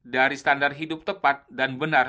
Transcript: dari standar hidup tepat dan benar